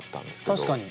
確かに！